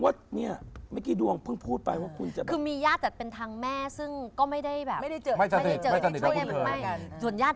อย่างที่อาจารย์ลักษณ์พูดพอจะพูดภาษาเดียวกับพ่อ